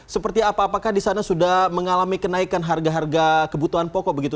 seperti apa apakah di sana sudah mengalami kenaikan harga harga kebutuhan pokok begitu